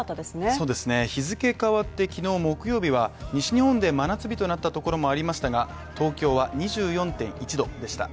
そうでしたね、日付変わって昨日木曜日は西日本で真夏日となったところもありましたが東京は２４．１度でした。